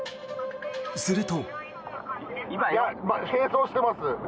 すると。